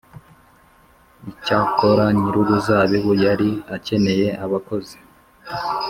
Icyakora nyir’uruzabibu yari akeneye abakozi